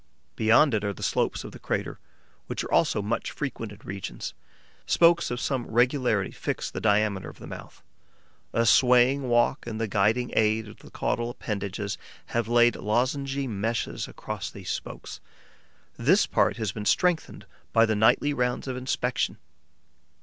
Beyond it are the slopes of the crater, which are also much frequented regions. Spokes of some regularity fix the diameter of the mouth; a swaying walk and the guiding aid of the caudal appendages have laid lozengy meshes across these spokes. This part has been strengthened by the nightly rounds of inspection.